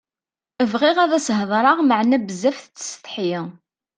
Bɣiɣ ad s-heḍṛeɣ meɛna bezzaf tettsetḥi.